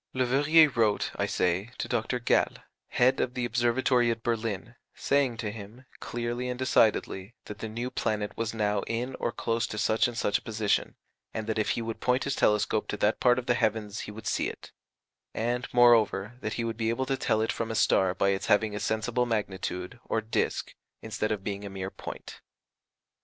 Leverrier wrote, I say, to Dr. Galle, head of the Observatory at Berlin, saying to him, clearly and decidedly, that the new planet was now in or close to such and such a position, and that if he would point his telescope to that part of the heavens he would see it; and, moreover, that he would be able to tell it from a star by its having a sensible magnitude, or disk, instead of being a mere point.